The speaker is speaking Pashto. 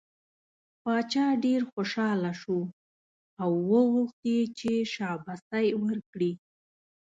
باچا ډېر خوشحاله شو او وغوښت یې چې شاباسی ورکړي.